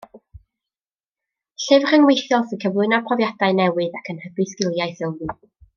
Llyfr rhyngweithiol sy'n cyflwyno profiadau newydd ac yn hybu sgiliau sylwi.